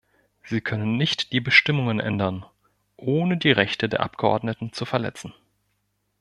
Sie können nicht die Bestimmungen ändern, ohne die Rechte der Abgeordneten zu verletzen.